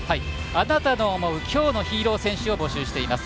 あなたの思う「きょうのヒーロー選手」を募集しています。